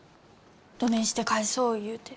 どねんして返そう言うて。